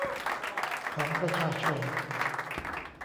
ของประชาชน